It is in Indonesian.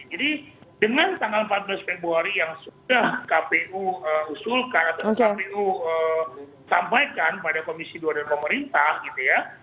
jadi dengan tanggal empat belas februari yang sudah kpu usulkan atau kpu sampaikan pada komisi dua dan pemerintah gitu ya